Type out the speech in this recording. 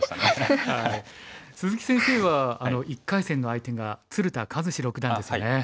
鈴木先生は１回戦の相手が鶴田和志六段ですね。